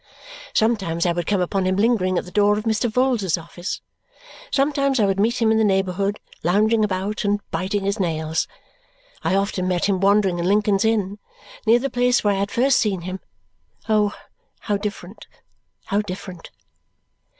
Sometimes I would come upon him lingering at the door of Mr. Vholes's office. Sometimes I would meet him in the neighbourhood lounging about and biting his nails. I often met him wandering in Lincoln's Inn, near the place where I had first seen him, oh how different, how different!